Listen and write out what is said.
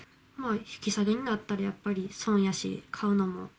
引き下げになったら、やっぱり損やし、買うのも。